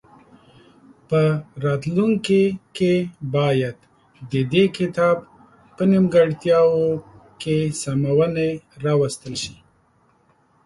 په راتلونکي کې باید د دې کتاب په نیمګړتیاوو کې سمونې راوستل شي.